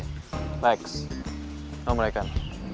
lex nomer ayah kan